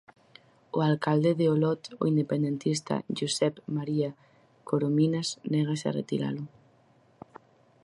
O alcalde de Olot, o independentista Josep María Corominas, négase a retiralo.